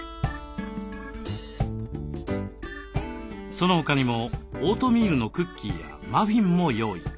その他にもオートミールのクッキーやマフィンも用意。